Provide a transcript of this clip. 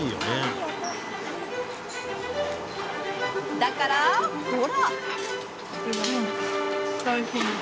だからほらっ！